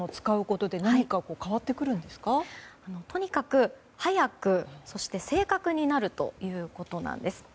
とにかく早くそして正確になるということなんです。